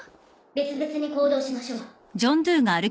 別々に行動しましょう。